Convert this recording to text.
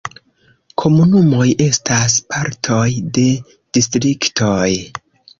Komunumoj estas partoj de distriktoj.